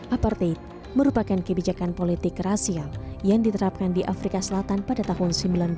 aparted merupakan kebijakan politik rasial yang diterapkan di afrika selatan pada tahun seribu sembilan ratus sembilan puluh